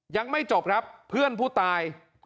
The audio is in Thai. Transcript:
ยังไม่จบครับเพื่อนผู้ตาย